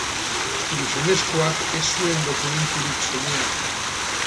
Gizonezkoak ez zuen dokumenturik soinean.